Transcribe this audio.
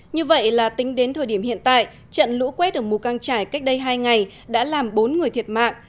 như vậy là tính đến thời điểm hiện tại trận lũ quét ở mù căng trải cách đây hai ngày đã làm bốn người thiệt mạng